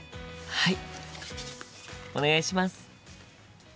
はい。